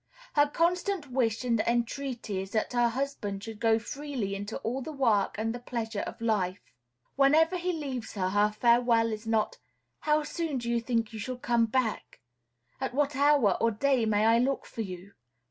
Her constant wish and entreaty is that her husband should go freely into all the work and the pleasure of life. Whenever he leaves her, her farewell is not, "How soon do you think you shall come back? At what hour, or day, may I look for you?"